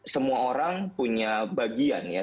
semua orang punya bagian ya